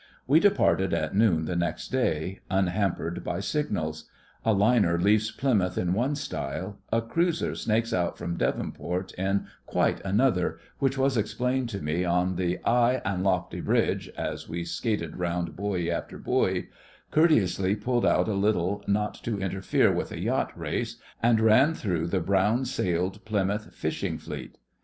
We departed at noon the next day, unhampered by signals. A liner leaves Plymouth in one style; a cruiser snakes out from Devonport in quite another, which was explained to me on the ''igh an' lofty bridge' as we skated round buoy after buoy, courteously pulled out a little not to interfere with a yacht race, and ran through the brown sailed Plymouth fishing fleet.